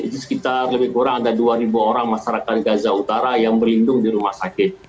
itu sekitar lebih kurang ada dua orang masyarakat gaza utara yang berlindung di rumah sakit